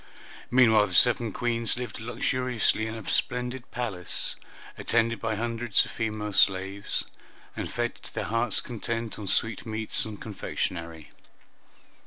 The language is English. Meanwhile the seven Queens lived luxuriously in a splendid palace, attended by hundreds of female slaves, and fed to their hearts' content on sweetmeats and confectionery.